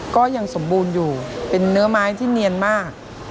ก็ยังสมบูรณ์อยู่เป็นเนื้อไม้ที่เนียนมาก